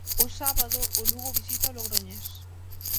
O sábado, o Lugo visita o Logroñés.